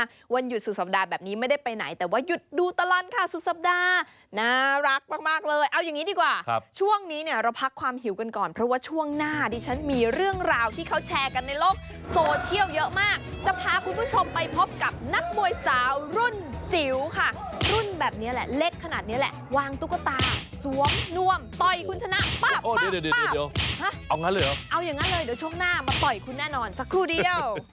คุณผู้ชมขอบความหิวกันก่อนเพราะว่าช่วงหน้าดิฉันมีเรื่องราวที่เขาแชร์กันในโลกโซเกเยอะมากจะพาคุณผู้ชมไปพบกับนักบวยสาวรุ่นจิ๋วค่ะรุ่นแบบเนี้ยแหละเล็กขนาดเงี้ยแหละวางตุ๊กวะตาสวมนวมต่อยคุณชนะโอ้โอ้โอ้เดี๋ยวเอาอย่างนั้นหรือเอาอย่างงั้นเลยเดี